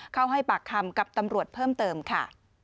เข้าให้ปากคำกับตำรวจเพิ่มเติมค่ะ